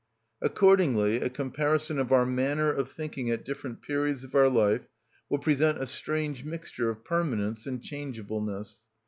Accordingly, a comparison of our manner of thinking at different periods of our life will present a strange mixture of permanence and changeableness.